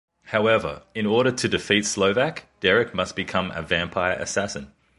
However, in order to defeat Slovak, Derek must become a vampire assassin.